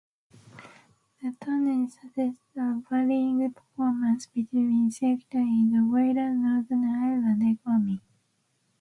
The tonnages suggest a varying performance between sectors in the wider Northern Ireland economy.